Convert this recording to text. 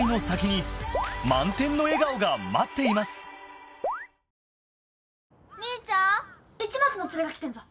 『ＥＶＥＲＹ』兄ちゃん市松のツレが来てんぞ。